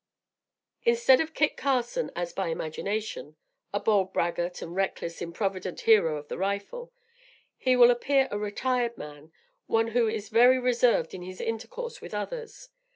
Instead of Kit Carson as by imagination a bold braggart and reckless, improvident hero of the rifle he will appear a retired man, and one who is very reserved in his intercourse with others.